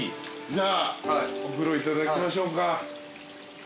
じゃあお風呂いただきましょうか。